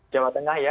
jawa tengah ya